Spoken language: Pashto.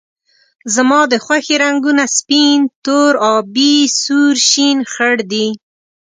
زما د خوښې رنګونه سپین، تور، آبي ، سور، شین ، خړ دي